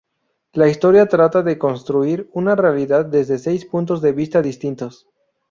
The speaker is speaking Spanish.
La historia trata de construir una realidad desde seis puntos de vista distintos.